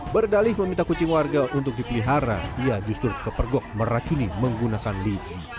berdalih meminta kucing warga untuk dipelihara ia justru kepergok meracuni menggunakan lidi